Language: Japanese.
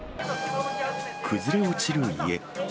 崩れ落ちる家。